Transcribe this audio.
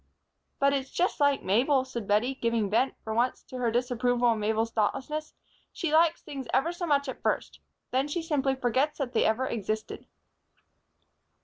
"But it's just like Mabel," said Bettie, giving vent, for once, to her disapproval of Mabel's thoughtlessness. "She likes things ever so much at first. Then she simply forgets that they ever existed."